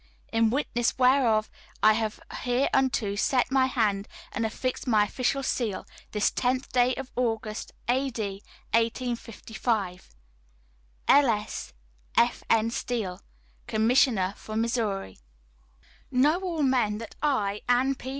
"In witness whereof I have hereunto set my hand and affixed my official seal, this 10th day of August, A.D. 1855. [L.S.] "F. N. STEELE, "Commissioner for Missouri." "Know all men that I, Anne P.